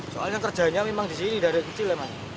soalnya kerjanya memang di sini dari kecil